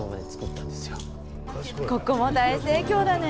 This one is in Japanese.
ここも大盛況だね。